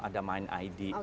ada main id